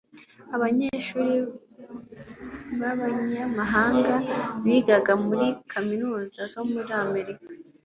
abanyeshuli b'abanyamahanga bigaga muri kaminuza zo muri amerika